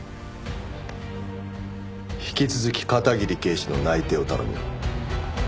引き続き片桐警視の内偵を頼む。